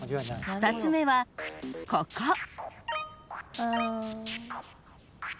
［２つ目はここ］